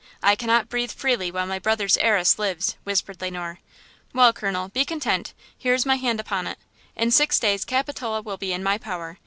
I cannot breathe freely while my brother's heiress lives," whispered Le Noir. "Well, colonel, be content; here is my hand upon it! In six days Capitola will be in my power!